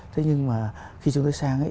thế nhưng mà khi chúng tôi sang ấy